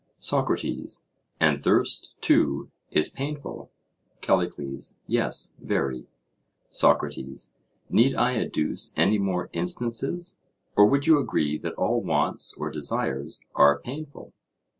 SOCRATES: And thirst, too, is painful? CALLICLES: Yes, very. SOCRATES: Need I adduce any more instances, or would you agree that all wants or desires are painful?